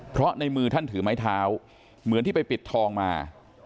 เพราะในมือท่านถือไม้เท้าเหมือนที่ไปปิดทองมา